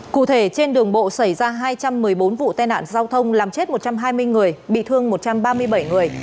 cụ thể trên đường bộ xảy ra hai trăm một mươi bốn vụ tai nạn giao thông làm chết một trăm hai mươi người bị thương một trăm ba mươi bảy người